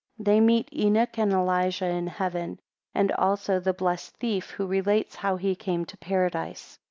3 They meet Enoch and Elijah in heaven, 5 and also the blessed thief, who relates how he came to Paradise.